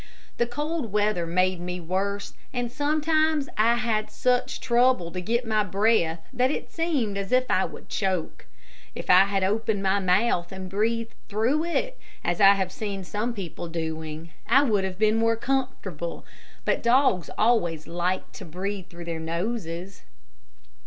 The cold weather made me worse, and sometimes I had such trouble to get my breath that it seemed as if I would choke. If I had opened my mouth, and breathed through it, as I have seen some people doing, I would have been more comfortable, but dogs always like to breathe through their noses.